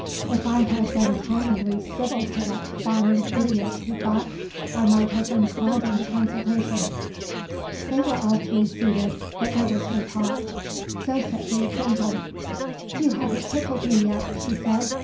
"If I had been commonly civil to that fawning idiot," he thought, "I might have been called into consultation." They were all three seated but there was no talk. Zo set the example. "You haven't tickled me yet," she said.